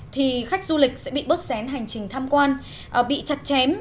thì khách du lịch sẽ bị bớt xén hành trình tham quan bị chặt chém